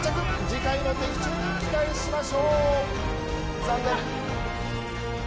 次回の的中に期待しましょう、残念。